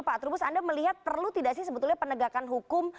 pak trubus anda melihat perlu tidak sih sebetulnya penegakan hukum